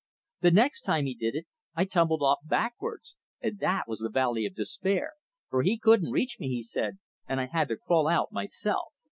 The next time he did it I tumbled off backwards, and that was the Valley of Despair, for he couldn't reach me, he said, and I had to crawl out myself.